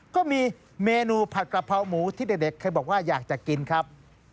ก็มีเมนูผัดกระเพราหมูที่เด็กเคยบอกว่าอยากจะกินครับ